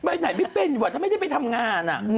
ไปไหนไม่เป็นทำไมจะไปทำงาน